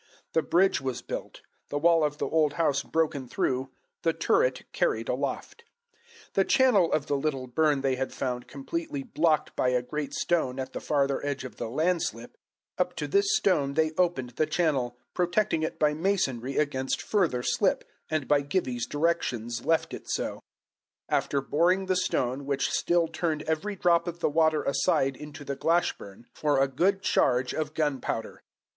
The bridge was built, the wall of the old house broken through, the turret carried aloft. The channel of the little burn they had found completely blocked by a great stone at the farther edge of the landslip; up to this stone they opened the channel, protecting it by masonry against further slip, and by Gibbie's directions left it so after boring the stone, which still turned every drop of the water aside into the Glashburn, for a good charge of gunpowder.